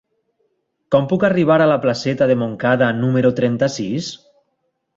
Com puc arribar a la placeta de Montcada número trenta-sis?